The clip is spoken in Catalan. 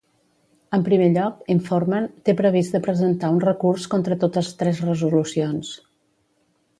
En primer lloc, informen, té previst de presentar un recurs contra totes tres resolucions.